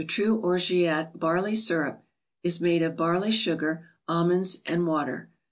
true Orgeat (barley syrup), is made of barley sugar, almonds and water.